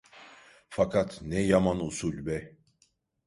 Fakat ne yaman usul be…